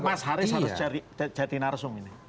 mas haris harus jadi narsum ini